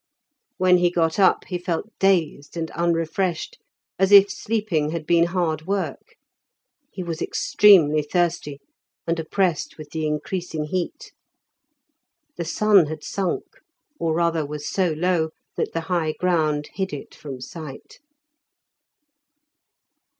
When he got up he felt dazed and unrefreshed, as if sleeping had been hard work. He was extremely thirsty, and oppressed with the increasing heat. The sun had sunk, or rather was so low that the high ground hid it from sight.